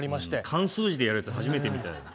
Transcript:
漢数字でやるやつ初めて見たよ。